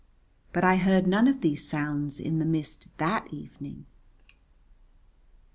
But I heard none of these sounds in the mist that evening.